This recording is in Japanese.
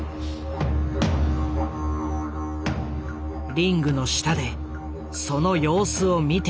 リングの下でその様子を見ていた藤原。